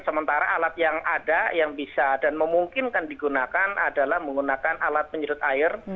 sementara alat yang ada yang bisa dan memungkinkan digunakan adalah menggunakan alat penyelut air